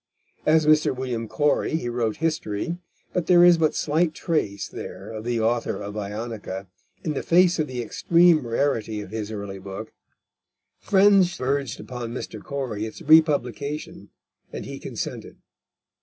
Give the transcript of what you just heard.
As Mr. William Cory he wrote history, but there is but slight trace there of the author of Ionica. In face of the extreme rarity of his early book, friends urged upon Mr. Cory its republication, and he consented.